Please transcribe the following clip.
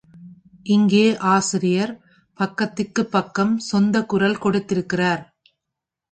இங்கே, ஆசிரியர் பக்கத்திற்குப் பக்கம் சொந்தக் குரல் கொடுத்திருக்கிறார்!